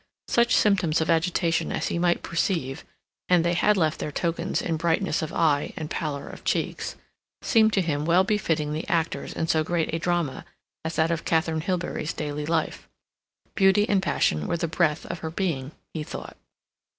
Such symptoms of agitation as he might perceive (and they had left their tokens in brightness of eye and pallor of cheeks) seemed to him well befitting the actors in so great a drama as that of Katharine Hilbery's daily life. Beauty and passion were the breath of her being, he thought.